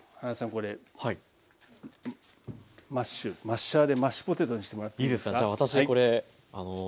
マッシュマッシャーでマッシュポテトにしてもらっていいですか。